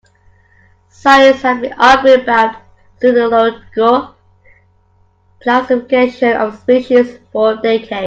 Science has been arguing about the zoological classification of the species for decades.